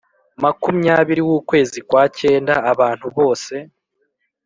makumyabiri w ukwezi kwa cyenda Abantu bose